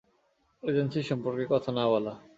Agency সম্পর্কে কথা না বলা।